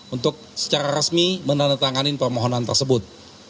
untuk secara resmi menandatangani permohonan tersebut